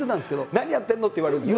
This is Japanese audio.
「何やってんの！」って言われるでしょ。